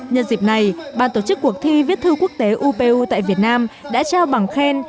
nhân dịp này ban tổ chức cuộc thi viết thư quốc tế upu tại việt nam đã trao bằng khen